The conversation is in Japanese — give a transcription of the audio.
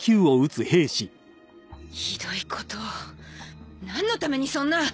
ひどいことをなんのためにそんな！